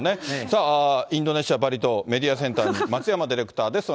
さあ、インドネシア・バリ島、メディアセンターに松山ディレクターです。